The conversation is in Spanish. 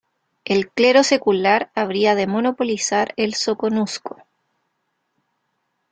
El clero secular habría de monopolizar el Soconusco.